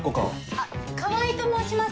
あっ川合と申します。